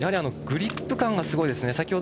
グリップ感がすごいですね。